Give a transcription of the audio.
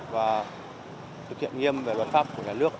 và thực hiện nghiêm về luật pháp của nhà nước